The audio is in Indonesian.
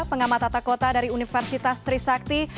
pengamat tata kota dari universitas trisakti